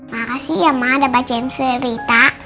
makasih ya ma udah bacain cerita